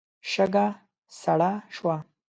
شګه سړه شوه.